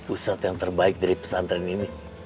pusat yang terbaik dari pesantren ini